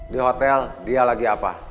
di hotel dia lagi apa